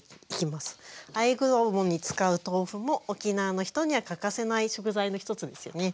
あえ衣に使う豆腐も沖縄の人には欠かせない食材の一つですよね。